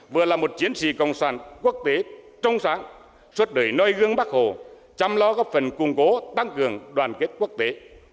vừa là một chiến sĩ cộng sản quốc tế trông sáng suốt đời nơi gương bắc hồ chăm lo góp phần cung cố tăng cường đoàn kết quốc tế